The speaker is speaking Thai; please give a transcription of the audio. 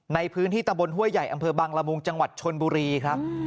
ในพื้นที่ตำบลห้วยใหญ่อำเภอบังละมุงจังหวัดชนบุรีครับ